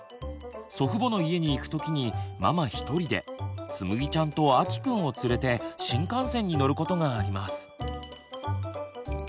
祖父母の家に行く時にママ一人でつむぎちゃんとあきくんを連れて新幹線に乗ることがあります。